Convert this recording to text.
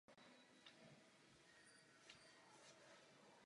Tato přehrada blokuje řeku přímo nad vodopády.